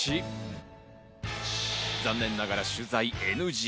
残念ながら取材ＮＧ。